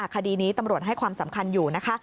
คดีนี้ตำรวจให้ความสำคัญอยู่นะคะ